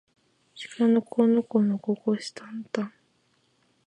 しかのこのこのここしたんたん